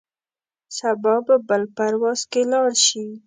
سبا به بل پرواز کې لاړ شې.